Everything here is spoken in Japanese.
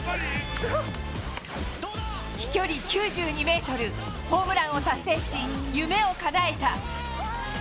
飛距離９２メートル、ホームランを達成し、夢をかなえた。